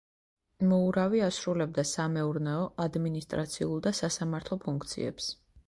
მოურავი ასრულებდა სამეურნეო, ადმინისტრაციულ და სასამართლო ფუნქციებს.